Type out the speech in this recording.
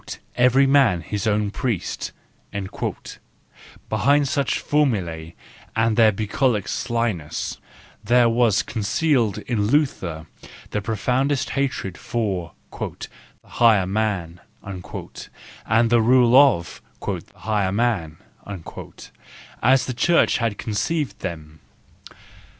Every man his own priest "—behind such formulae and their bucolic slyness, there was concealed in Luther the profoundest hatred of "higher men" and the rule of "higher men," as the Church had conceived them.